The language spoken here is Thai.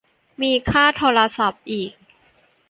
มีค่าโทรศัพท์อีก